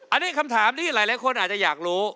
อันนี้คำถามที่หลายคนอาจจะอยากรู้